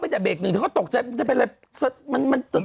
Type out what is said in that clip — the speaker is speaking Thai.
ห้ั่นประเทศเบรกนึงเขาตกใจได้เป็นอะไร